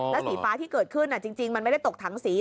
สีฟ้าที่เกิดขึ้นจริงมันไม่ได้ตกถังสี